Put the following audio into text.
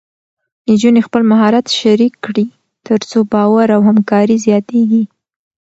نجونې خپل مهارت شریک کړي، تر څو باور او همکاري زیاتېږي.